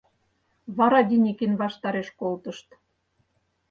Вара Деникин ваштареш колтышт.